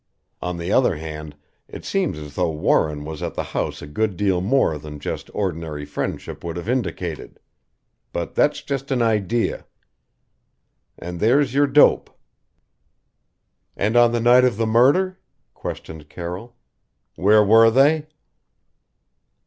On the other hand it seems as though Warren was at the house a good deal more than just ordinary friendship would have indicated. But that's just an idea. And there's your dope " "And on the night of the murder?" questioned Carroll. "Where were they?"